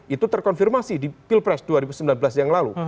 itu terkonfirmasi di pilpres dua ribu sembilan belas yang lalu